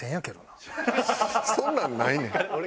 そんなんないねん。